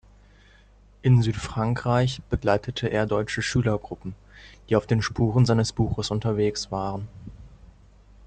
In Südfrankreich begleitete er deutsche Schülergruppen, die auf den Spuren seines Buches unterwegs waren.